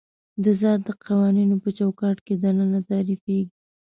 د ذات د قوانینو په چوکاټ کې دننه تعریفېږي.